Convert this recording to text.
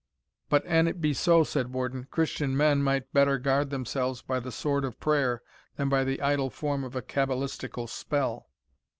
"But an it be so," said Warden, "Christian men might better guard themselves by the sword of prayer than by the idle form of a cabalistical spell."